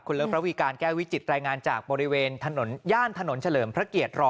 เลิฟระวีการแก้วิจิตรายงานจากบริเวณถนนย่านถนนเฉลิมพระเกียรติ๑๐